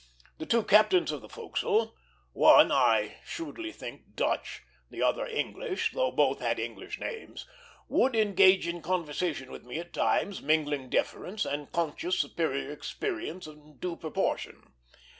The two captains of the forecastle one, I shrewdly think, Dutch, the other English, though both had English names would engage in conversation with me at times, mingling deference and conscious superior experience in due proportion.